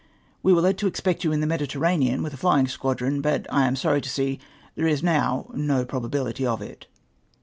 We were led to expect you in the Mediterranean with a flying squadron, but I am sorry to see there is now no probability of it.